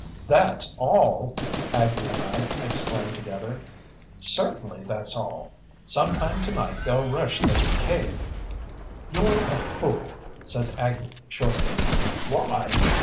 "That's all!" Aggie and I exclaimed together. "Certainly that's all. Sometime tonight they'll rush the cave." "You're a fool!" said Aggie shortly. "Why?"